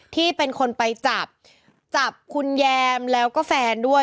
ที่เป็นคนไปจับจับคุณแยมแล้วก็แฟนด้วย